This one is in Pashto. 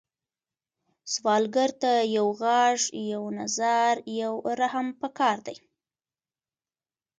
سوالګر ته یو غږ، یو نظر، یو رحم پکار دی